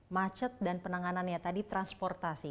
macet dan penanganannya tadi transportasi